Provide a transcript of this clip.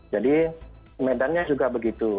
jadi medannya juga begitu